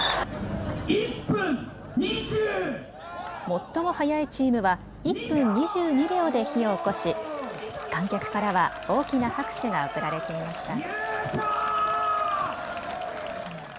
最も早いチームは１分２２秒で火をおこし、観客からは大きな拍手が送られていました。